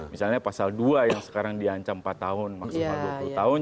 misalnya pasal dua yang sekarang diancam empat tahun maksimal dua puluh tahun